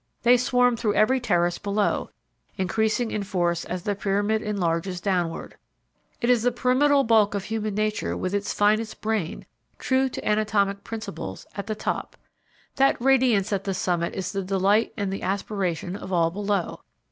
They swarm through every terrace below, increasing in force as the pyramid enlarges downward. It is the pyramidal bulk of human nature with its finest brain, true to anatomic principles, at the top. That radiance at the summit is the delight and the aspiration of all below.